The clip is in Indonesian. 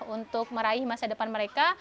untuk meraih masa depan mereka